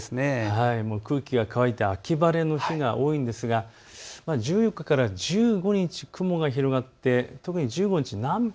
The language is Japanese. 空気が乾いて秋晴れの日が多いんですが１４日から１５日、雲が広がって特に１５日、南部、